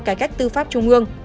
cải cách tư pháp trung ương